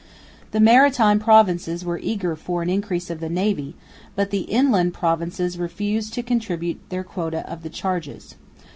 The maritime provinces were eager for an increase of the navy, but the inland provinces refused to contribute their quota of the charges.